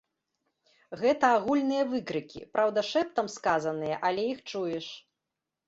Гэта агульныя выкрыкі, праўда, шэптам сказаныя, але іх чуеш.